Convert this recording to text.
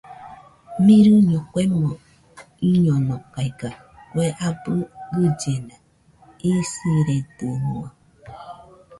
Mɨrɨño kuemo iñonokaiga kue abɨ gɨllena isiredɨnua.